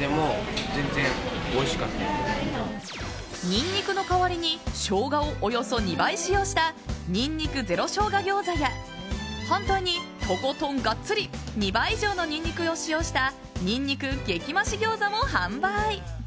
ニンニクの代わりにショウガをおよそ２倍使用したにんにくゼロ生姜餃子や反対に、とことんガッツリ２倍以上のニンニクを使用したにんにく激増し餃子も販売。